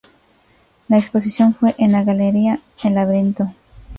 La exposición fue en la galería El Laberinto.